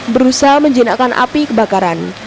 berusaha menjenakkan api kebakaran